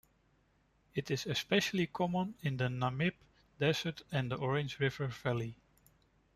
It is especially common in the Namib desert and in the Orange River valley.